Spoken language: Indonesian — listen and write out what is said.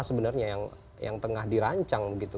sebenarnya yang yang tengah dirancang begitu dengan kondisi politik